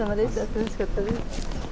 楽しかったです。